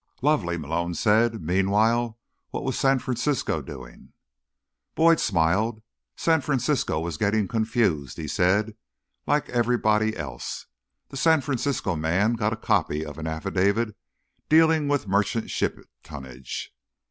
"Lovely," Malone said. "Meanwhile, what was San Francisco doing?" Boyd smiled. "San Francisco was getting confused," he said. "Like everybody else. The San Francisco man got a copy of an affidavit dealing with merchant ship tonnage.